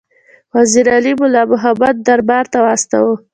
وزیر علي مُلا محمد دربار ته واستاوه.